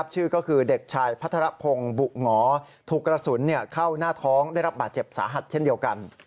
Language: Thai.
ถูกกระสุนเข้าหน้าท้องได้รับบาดเจ็บสาหัสเช่นเดียวกัน